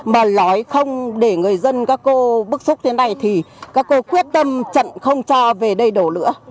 mà nói không để người dân các cô bức xúc tiến này thì các cô quyết tâm chặn không cho về đây đổ nữa